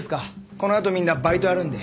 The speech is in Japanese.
このあとみんなバイトあるんで。